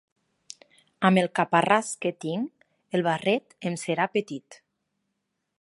Amb el caparràs que tinc, el barret em serà petit.